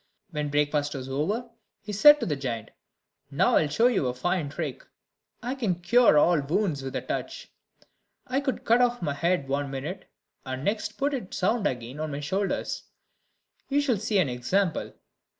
When breakfast was over, he said to the giant, "Now I will show you a fine trick; I can cure all wounds with a touch; I could cut off my head one minute, and the next put it sound again on my shoulders: you shall see an example."